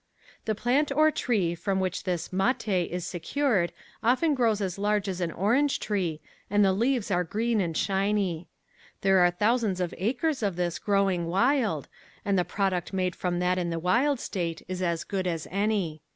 The plant or tree from which this "mate" is secured often grows as large as an orange tree and the leaves are green and shiny. There are thousands of acres of this growing wild and the product made from that in the wild state is as good as any.